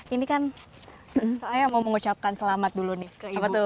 ini kan saya mau mengucapkan selamat dulu nih ke ibu